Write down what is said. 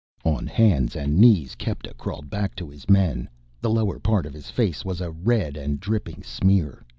On hands and knees Kepta crawled back to his men. The lower part of his face was a red and dripping smear.